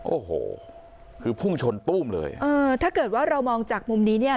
โอ้โหคือพุ่งชนตู้มเลยเออถ้าเกิดว่าเรามองจากมุมนี้เนี่ย